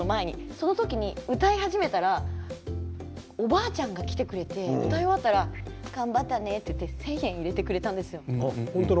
その時に歌い始めたらおばあちゃんが来てくれて歌が終わったら頑張ったねと言って１０００円を入れてくれたんです。